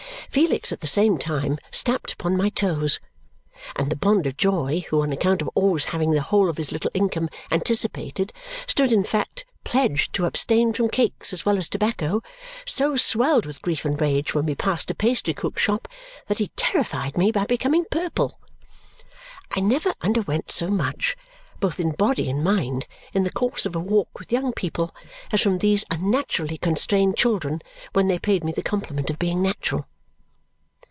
Felix, at the same time, stamped upon my toes. And the Bond of Joy, who on account of always having the whole of his little income anticipated stood in fact pledged to abstain from cakes as well as tobacco, so swelled with grief and rage when we passed a pastry cook's shop that he terrified me by becoming purple. I never underwent so much, both in body and mind, in the course of a walk with young people as from these unnaturally constrained children when they paid me the compliment of being natural.